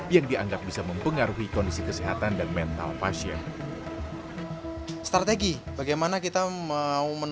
yang dianggap bisa mempengaruhi kondisi kesehatan dan mental pasien